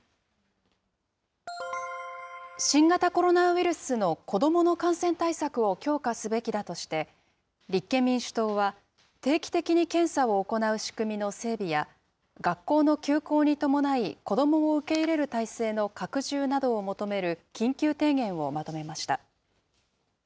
新型コロナウイルスの子どもの感染対策を強化すべきだとして、立憲民主党は、定期的に検査を行う仕組みの整備や、学校の休校に伴い子どもを受け入れる体制の拡充などを求める緊急提言をまとめました。